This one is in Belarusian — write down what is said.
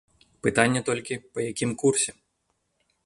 Пытанне толькі, па якім курсе.